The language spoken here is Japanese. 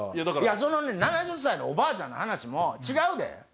その７０歳のおばあちゃんの話も違うで。